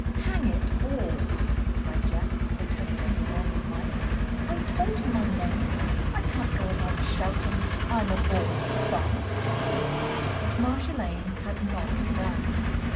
"Hang it all!" cried Jack, protesting with all his might, "I told you my name! I can't go about shouting I 'm a lord's son!" But Marjolaine had not done.